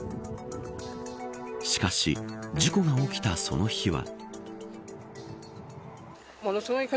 しかし、事故が起きたその日は。